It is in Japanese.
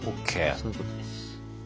そういうことです。